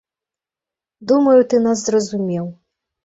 Думаю, ты нас зразумеў.